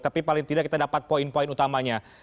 tapi paling tidak kita dapat poin poin utamanya